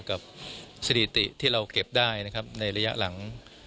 กับสถิติที่เราเก็บได้นะครับในระยะหลัง